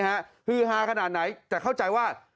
ฮือฮาขนาดไหนแต่เข้าใจว่า